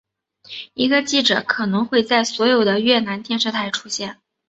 一个记者可能会在所有的越南电视台出现。